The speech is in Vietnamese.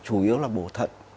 chủ yếu là bổ thận